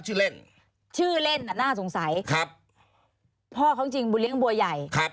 ชื่อเล่นชื่อเล่นน่าสงสัยครับพ่อของจริงบัวใหญ่ครับ